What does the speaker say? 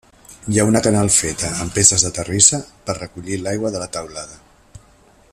Hi ha una canal feta amb peces de terrissa per recollir l'aigua de la teulada.